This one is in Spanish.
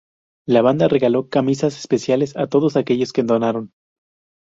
La banda regalo camisas especiales a todos aquellos que donaron.